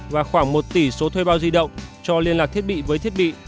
và khoảng một tỷ số thuê bao di động cho liên lạc thiết bị với thiết bị